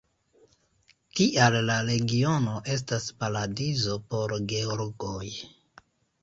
Tial la regiono estas paradizo por geologoj.